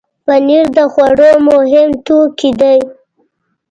پنېر د خوړو مهم توکی دی.